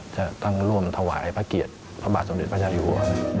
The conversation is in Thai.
จะต้องร่วมถวายพระเกียรติพระบาทสมเด็จพระเจ้าอยู่หัว